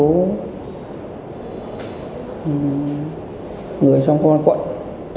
người trong công an quận